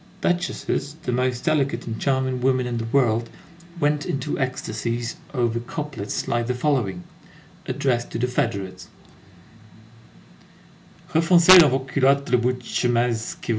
Duchesses, the most delicate and charming women in the world, went into ecstasies over couplets like the following, addressed to "the federates":— Refoncez dans vos culottes Le bout d' chemis' qui vous pend.